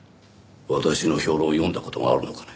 私の評論を読んだ事があるのかね？